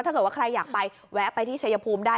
ถ้าเกิดว่าใครอยากไปแวะไปที่ชายภูมิได้